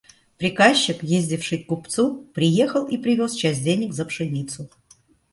Приказчик, ездивший к купцу, приехал и привез часть денег за пшеницу.